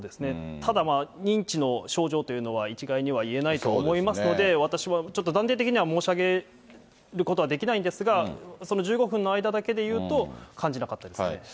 ただまあ、認知の症状というのは、一概には言えないと思いますので、私は断定的には申し上げることはできないんですが、１５分の間だけでいうと、感じなかったですね。